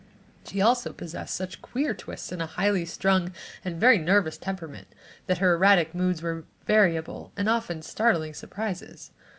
She also possessed such queer twists in a highly strung and very nervous temperament, that her erratic moods were variable and often startling surprises.